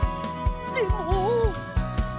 でも。